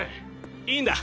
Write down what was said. いいんだ。